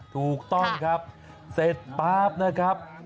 ถูกต้องครับเสร็จป๊าบนะครับ